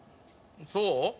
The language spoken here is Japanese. そう？